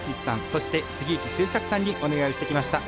そして杉内周作さんにお願いをしてきました。